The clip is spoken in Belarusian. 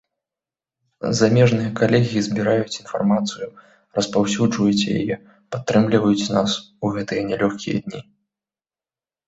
Замежныя калегі збіраюць інфармацыю, распаўсюджваюць яе, падтрымліваюць нас у гэтыя нялёгкія дні.